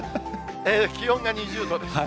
気温が２０度です。